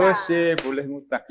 oh sih boleh ngutang